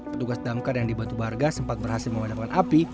petugas damkar yang dibantu warga sempat berhasil memadamkan api